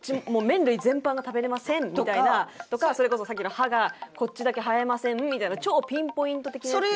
麺類全般が食べれませんみたいなのとかそれこそさっきの歯がこっちだけ生えませんみたいな超ピンポイント的なやつ。